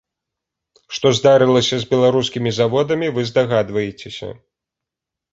Што здарылася з беларускімі заводамі, вы здагадваецеся.